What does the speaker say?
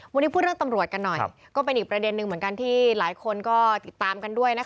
วันนี้พูดเรื่องตำรวจกันหน่อยก็เป็นอีกประเด็นหนึ่งเหมือนกันที่หลายคนก็ติดตามกันด้วยนะคะ